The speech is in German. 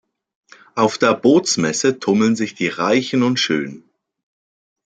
Auf der Bootsmesse tummeln sich die Reichen und Schönen.